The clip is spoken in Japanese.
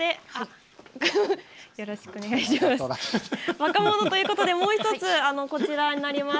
若者ということでもう１つこちらになります。